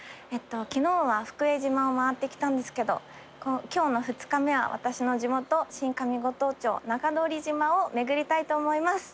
昨日は福江島を回ってきたんですけど今日の２日目は私の地元新上五島町中通島を巡りたいと思います。